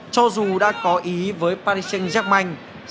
cho dù đã có ý với paris saint germain neymar đã đưa ra một bản hợp đồng mới